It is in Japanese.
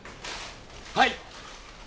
はい！